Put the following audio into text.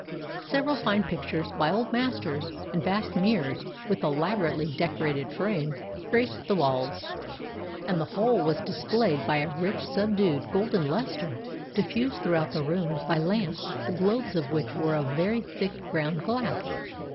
Several fine pictures, by old masters, and vast mirrors with elaborately decorated frames, graced the walls; and the whole was displayed by a rich, subdued, golden lustre, diffused throughout the room by lamps, the globes of which were of very thick ground glass.